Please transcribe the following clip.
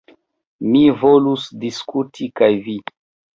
Mi volus diskuti kaj vi.